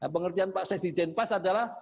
pengertian pak sesti jenpas adalah